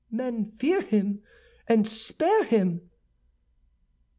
"Men fear him and spare him."